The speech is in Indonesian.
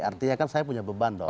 artinya kan saya punya beban dong